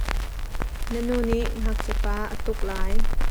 Na nu nih ngakchia pa a tuk lai.